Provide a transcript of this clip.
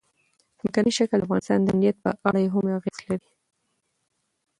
ځمکنی شکل د افغانستان د امنیت په اړه هم اغېز لري.